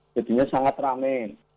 jadinya sangat ramai